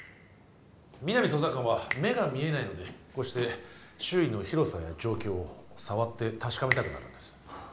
皆実捜査官は目が見えないのでこうして周囲の広さや状況を触って確かめたくなるんです